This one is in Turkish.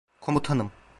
Komutanım.